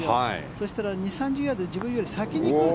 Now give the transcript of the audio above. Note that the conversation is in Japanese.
そしたら、２０３０ヤード自分より先に行く。